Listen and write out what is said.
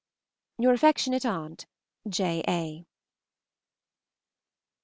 Your affectionate aunt, J. A.